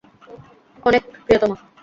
অনেক, প্রিয়তমা।